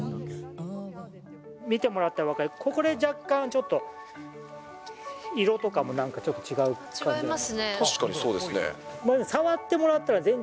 見てもらったら分かる、これ若干ちょっと色とかもなんか、ちょっと違う感じで。